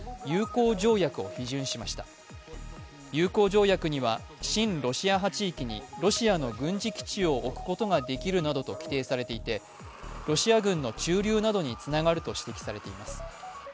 友好条約には親ロシア派地域にロシアの軍事基地を置くことができるなどと規定されていて、ロシア軍の駐留などにつながると指摘されています。